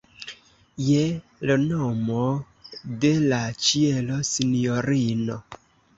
Je l' nomo de la ĉielo, sinjorino!